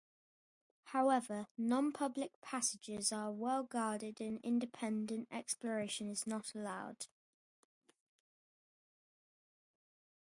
However, non-public passages are well-guarded and independent exploration is not allowed.